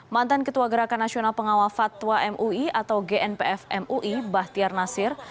mantan ketua gerakan nasional pengawal fatwa mui atau gnpf mui bahtiar nasir